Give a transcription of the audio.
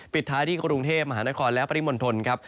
ปิดท้ายที่กรุงเทพมหานครและปริมณฑลครับ